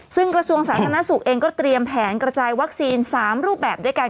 ซึ่งกระทรวงสาธารณสุขเองก็เตรียมแผนกระจายวัคซีน๓รูปแบบด้วยกัน